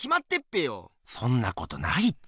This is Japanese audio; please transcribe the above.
そんなことないって。